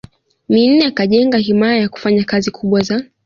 Minne akajenga himaya yakufanya kazi kubwa za